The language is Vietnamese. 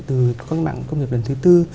từ các mạng công nghiệp lần thứ tư